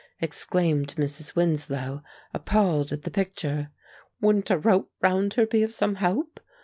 exclaimed Mrs. Winslow, appalled at the picture. "Wouldn't a rope round her be some help?